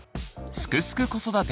「すくすく子育て」